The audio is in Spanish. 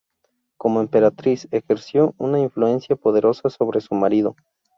Como emperatriz, ejerció una influencia poderosa sobre su marido.